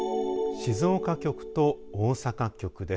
静岡局と大阪局です。